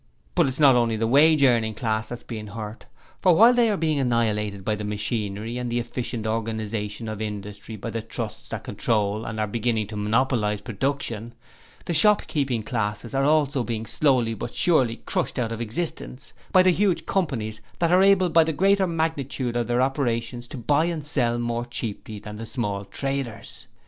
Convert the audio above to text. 'But it is not only the wage earning class that is being hurt; for while they are being annihilated by the machinery and the efficient organization of industry by the trusts that control and are beginning to monopolize production, the shopkeeping classes are also being slowly but surely crushed out of existence by the huge companies that are able by the greater magnitude of their operations to buy and sell more cheaply than the small traders.